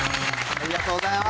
ありがとうございます。